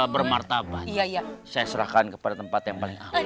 bermartabat saya serahkan kepada tempat yang paling aman